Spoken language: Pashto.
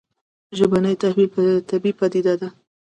ژبني تحول طبیعي پديده ده